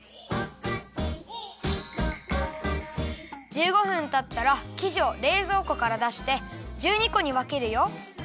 １５分たったらきじをれいぞうこからだして１２こにわけるよ。